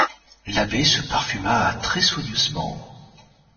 L'abbé se parfuma très soigneusement.